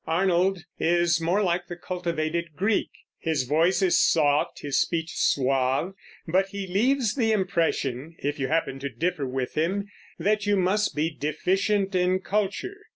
Arnold is more like the cultivated Greek; his voice is soft, his speech suave, but he leaves the impression, if you happen to differ with him, that you must be deficient in culture.